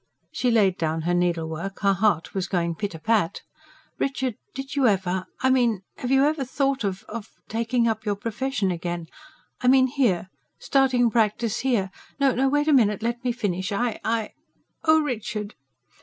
She laid down her needlework; her heart was going pit a pat. "Richard, did you ever... I mean have you never thought of ... of taking up your profession again I mean here starting practice here? No, wait a minute! Let me finish. I ... I ... oh, Richard!"